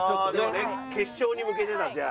決勝に向けてだじゃあ。